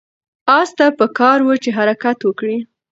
آس ته پکار وه چې حرکت وکړي.